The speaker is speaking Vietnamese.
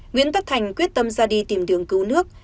nguyễn tất thành quyết tâm ra đi tìm đường cứu nước